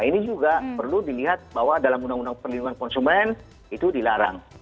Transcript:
nah ini juga perlu dilihat bahwa dalam undang undang perlindungan konsumen itu dilarang